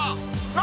何？